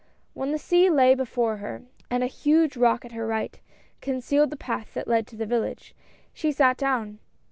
When the sea lay before her and a huge rock at her right concealed the path that led to the village, she sat down.